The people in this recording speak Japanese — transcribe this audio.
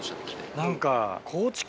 何か。